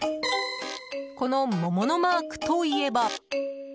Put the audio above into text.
この桃のマークといえば。